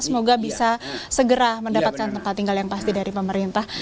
semoga bisa segera mendapatkan tempat tinggal yang pasti dari pemerintah